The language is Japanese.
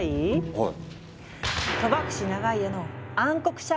はい！